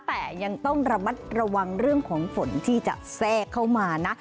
แต่ยังต้องระมัดระวังเรื่องของฝนที่จะแทรกเข้ามานะ